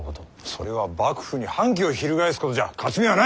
それは幕府に反旗を翻すことじゃ勝ち目はない。